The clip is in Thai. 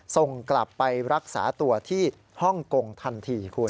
ส่งกลับไปรักษาตัวที่ฮ่องกงทันทีคุณ